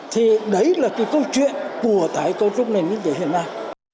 thì đấy là cái câu chuyện của tái cấu trúc nền kinh tế hiện nay